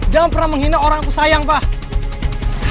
jangan pernah menghina orang aku sayang pak